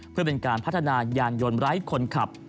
เพื่อเป็นการพัฒนายานยนต์ไร้คนขับ